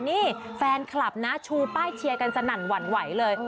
นี่แฟนคลับนะชูป้ายเชียร์กันสนั่นหวั่นไหวเลย